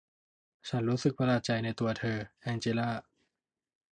ฉันรู้สึกประหลาดใจในตัวเธอ แองเจล่า